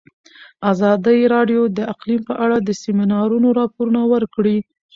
ازادي راډیو د اقلیم په اړه د سیمینارونو راپورونه ورکړي.